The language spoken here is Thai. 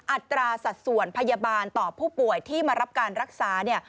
อัตราสัดส่วนพยาบาลต่อผู้ป่วยที่มารับการรักษาเนี่ย